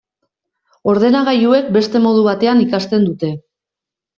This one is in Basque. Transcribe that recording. Ordenagailuek beste modu batean ikasten dute.